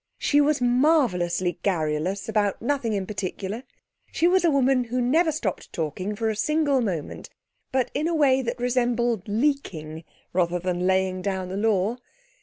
She was marvellously garrulous about nothing in particular. She was a woman who never stopped talking for a single moment, but in a way that resembled leaking rather than laying down the law.